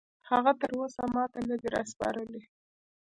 هغه تراوسه ماته نه دي راسپارلي.